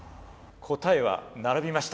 答えは並びました。